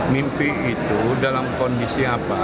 mimpi itu dalam kondisi apa